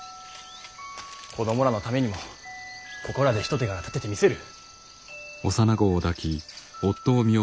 子供らのためにもここらで一手柄立ててみせる。